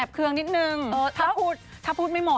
แอบเคลื่องนิดนึงถ้าพูดถ้าพูดไม่หมด